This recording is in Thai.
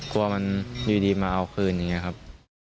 กลัวมันอยู่ดีมาเอาคืนอย่างนี้ครับ